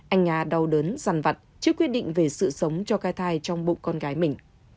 anh nga đau đớn sằn vặt trước quyết định về sự sống cho cái thai trong bụng con gái mình